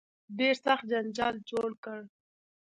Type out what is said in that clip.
ډېر سخت جنجال جوړ کړ.